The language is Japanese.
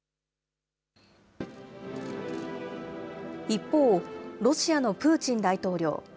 一方、ロシアのプーチン大統領。